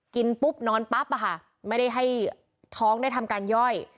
กินปุ๊บนอนปั๊บอะค่ะไม่ได้ให้ท้องได้ทำการย่อย